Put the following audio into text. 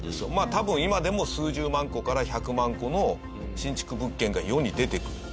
多分今でも数十万戸から１００万戸の新築物件が世に出てくる。